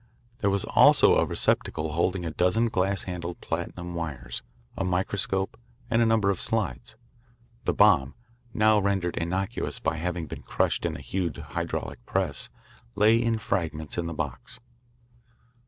There was also a receptacle holding a dozen glass handled platinum wires, a microscope, and a number of slides. The bomb, now rendered innocuous by having been crushed in a huge hydraulic press, lay in fragments in the box.